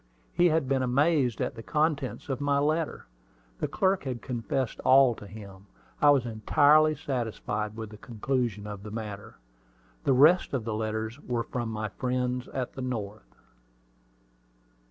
He had been amazed at the contents of my letter. The clerk had confessed all to him. I was entirely satisfied with the conclusion of the matter. The rest of the letters were from my friends at the North.